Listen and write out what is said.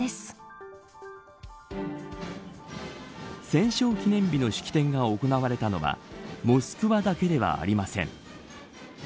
戦勝記念日の式典が行われたのはモスクワだけではありません。